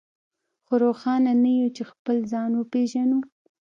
خو روښانه نه يو چې خپل ځان وپېژنو.